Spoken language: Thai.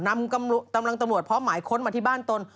นำกำลังตำรวจพร้อมหมายค้นมาที่บ้านตน